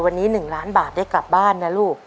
วันนี้๑ล้านบาทได้กลับบ้านนะลูก